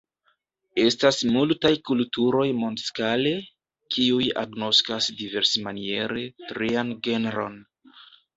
Estas multaj kulturoj mondskale, kiuj agnoskas diversmaniere ‘trian genron’.